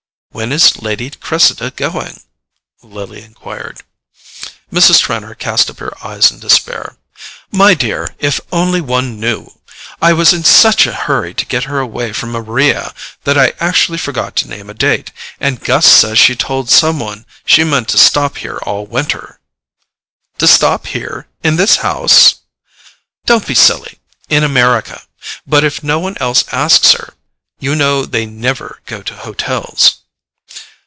"When is Lady Cressida going?" Lily enquired. Mrs. Trenor cast up her eyes in despair. "My dear, if one only knew! I was in such a hurry to get her away from Maria that I actually forgot to name a date, and Gus says she told some one she meant to stop here all winter." "To stop here? In this house?" "Don't be silly—in America. But if no one else asks her—you know they NEVER go to hotels."